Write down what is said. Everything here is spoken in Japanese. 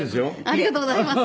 ありがとうございます。